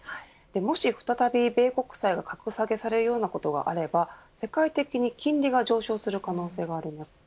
もし再び米国債が格下げされるようなことがあれば世界的に金利が上昇する可能性があります。